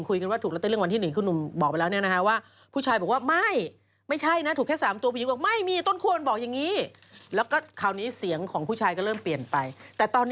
คือที่แล้วเอามายอมรับว่าเสียงของตัวเอง